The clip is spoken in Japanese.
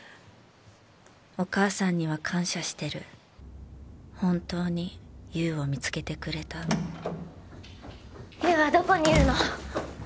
お母さんには感謝してる本当に優を見つけてくれた優はどこにいるの？